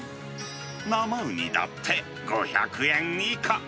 生ウニだって５００円以下。